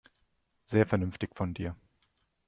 Sehr vernünftig von dir.